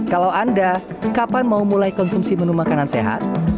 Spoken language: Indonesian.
kalau anda kapan mau mulai konsumsi menu makanan sehat